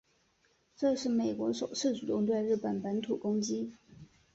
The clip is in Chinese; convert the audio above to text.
这是美国首次主动对日本本土攻击。